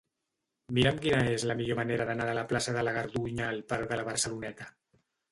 Mira'm quina és la millor manera d'anar de la plaça de la Gardunya al parc de la Barceloneta.